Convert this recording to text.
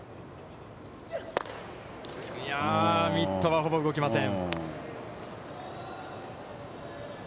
ミットは、ほぼ動きません。